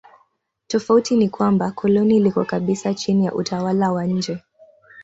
Tofauti ni kwamba koloni liko kabisa chini ya utawala wa nje.